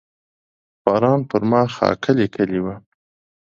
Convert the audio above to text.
فاران پر ما خاکه لیکلې وه.